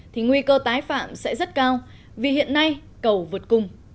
thì nguy cơ tái phạm sẽ rất cao vì hiện nay cầu vượt cùng